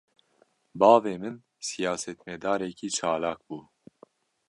Bavê min, siyasetmedarekî çalak bû